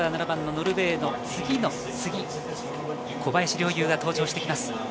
７番のノルウェーの次の次小林陵侑が登場してきます。